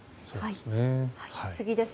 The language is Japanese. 次です。